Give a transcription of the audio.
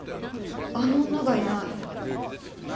あの女がいない。